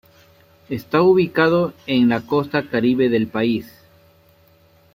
Está ubicado en la costa Caribe del país.